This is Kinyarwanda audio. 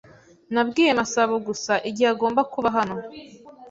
Nabwiye Masabo gusa igihe agomba kuba hano